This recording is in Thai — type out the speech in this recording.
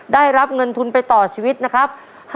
ได้รับเงินทุนไปต่อชีวิตนะครับ